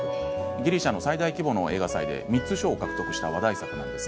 ギリシャの最大規模の映画祭で３つの賞を獲得した話題作です。